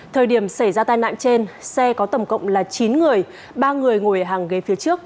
thời điểm xảy ra tai nạn trên xe có tổng cộng là chín người ba người ngồi hàng ghế phía trước